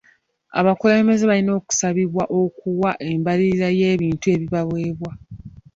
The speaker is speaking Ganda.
Abakulembeze balina okusabibwa okuwa embalirira y'ebintu ebibaweebwa.